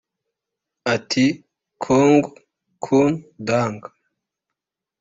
Ati”Chong Kun Dang